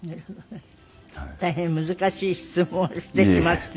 大変難しい質問をしてしまって。